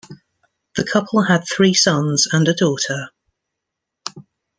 The couple had three sons and a daughter.